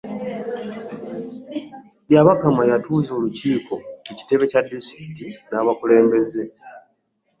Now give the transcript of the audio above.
Byabakama yatuuza olukiiko ku kitebe kya disitulikiti n'abakulembeze